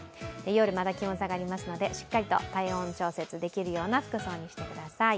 夜、まだ気温差がありますのでしっかりと体温調節できる服装にしてください。